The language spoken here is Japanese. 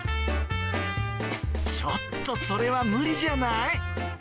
ちょっとそれは無理じゃない？